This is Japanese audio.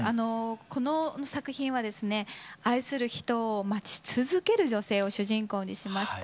この作品はですね愛する人を待ち続ける女性を主人公にしました。